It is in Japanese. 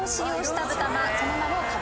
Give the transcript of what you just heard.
その名も。